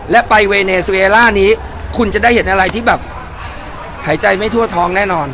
และไปเวเนซูเอล่านี้คุณจะได้เห็นอะไรที่แบบหายใจไม่ทั่วท้องแน่นอน